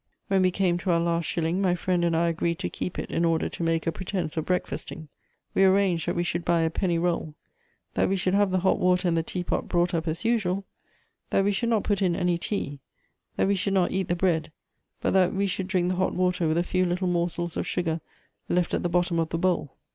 When we came to our last shilling, my friend and I agreed to keep it in order to make a pretense of breakfasting. We arranged that we should buy a penny roll; that we should have the hot water and the tea pot brought up as usual; that we should not put in any tea; that we should not eat the bread, but that we should drink the hot water with a few little morsels of sugar left at the bottom of the bowl.